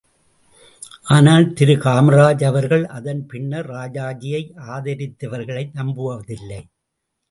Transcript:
ஆனால் திரு காமராஜ் அவர்கள் அதன் பின்னர் ராஜாஜியை ஆதரித்தவர்களை நம்புவதில்லை.